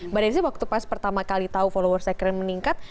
mbak desy waktu pas pertama kali tau followers ekran meningkat